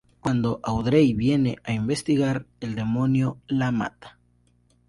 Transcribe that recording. Cuando Audrey viene a investigar, el demonio la mata.